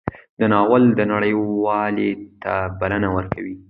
دا ناول د نړۍ یووالي ته بلنه ورکوي.